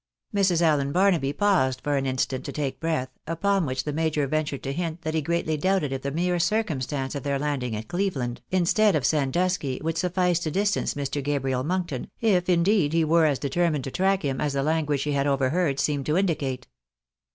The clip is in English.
Mrs. AUen Barnaby paused for an instant to take breath, upon which the major ventured to hint that he greatly doubted if the mere circumstance of their landing at Cleveland, instead of Sandusky, would suffice to distance Mr. Gabriel Monkton, if indeed he were as determined to track him, as the language she had over heard seemed to indicate.